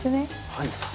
はい。